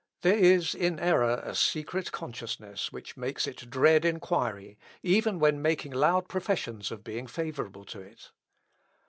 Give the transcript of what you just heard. There is in error a secret consciousness which makes it dread enquiry even when making loud professions of being favourable to it.